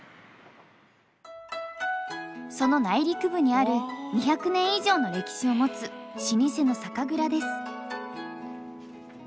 その内陸部にある２００年以上の歴史を持つ老舗の酒蔵です。